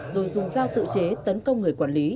rồi dùng dao tự chế tấn công người quản lý